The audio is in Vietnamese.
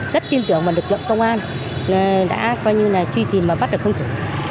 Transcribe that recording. rất tin tưởng vào lực lượng công an đã coi như là truy tìm và bắt được công tử